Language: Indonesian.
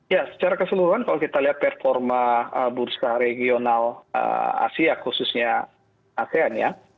ya secara keseluruhan kalau kita lihat performa bursa regional asia khususnya asean ya